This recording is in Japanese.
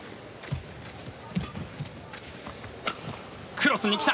クロスに来た！